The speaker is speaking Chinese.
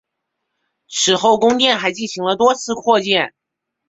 此后宫殿还进行了多次扩建。